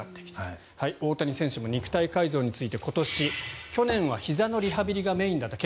大谷選手の肉体改造について今年、去年はひざのリハビリがメインだったので。